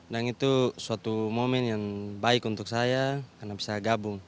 nah itu suatu momen yang baik untuk saya karena bisa gabung